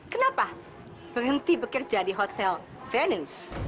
kenapa berhenti bekerja di hotel venance